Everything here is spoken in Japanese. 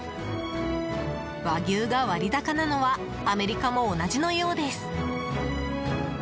和牛が割高なのはアメリカも同じのようです。